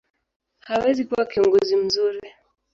hawezi kuwa kiongozi mzuri.